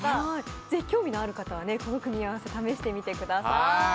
興味のある方はこの組み合わせ試してみてください。